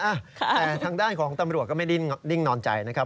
แต่ทางด้านของตำรวจก็ไม่ได้นิ่งนอนใจนะครับ